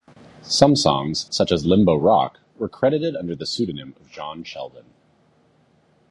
Some songs such as "Limbo Rock" were credited under the pseudonym of Jon Sheldon.